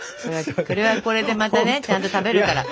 これはこれでまたねちゃんと食べるから。